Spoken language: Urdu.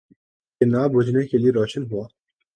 کہ نہ بجھنے کے لیے روشن ہوا ہے۔